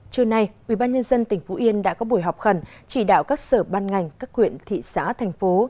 trưa nay ubnd tỉnh phú yên đã có buổi họp khẩn chỉ đạo các sở ban ngành các quyện thị xã thành phố